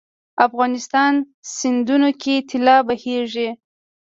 افغانستان سیندونو کې طلا بهیږي